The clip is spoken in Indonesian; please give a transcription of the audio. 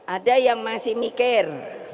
ada yang masih mikir